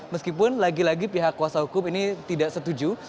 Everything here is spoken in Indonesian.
meskipun lagi lagi pihak kuasa hukum ini tidak setuju